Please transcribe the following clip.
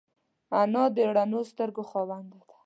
انا د روڼو سترګو خاوند ده